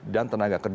dan tenaga kerja